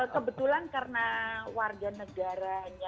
kebetulan karena warga negara